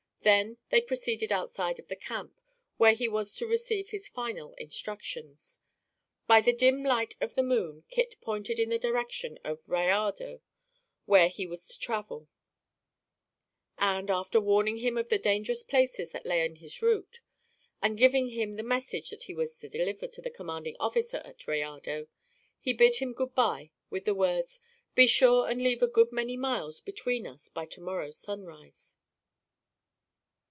They then proceeded outside of the camp, where he was to receive his final instructions. By the dim light of the moon, Kit pointed in the direction of Rayado, where he was to travel; and, after warning him of the dangerous places that lay in his route, and giving him the message that he was to deliver to the commanding officer at Rayado, he bid him good bye, with the words, "be sure and leave a good many miles between us, by to morrow's sunrise."